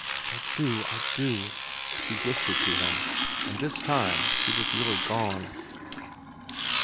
"I do, I do," she whispered to him; and this time she was really gone.